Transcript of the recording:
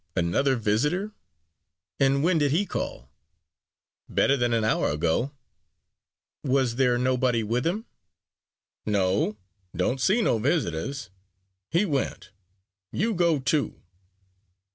"Another visitor? And when did he call?" "Better than an hour ago." "Was there nobody with him?" "No. Don't see no visitors. He went. You go, too."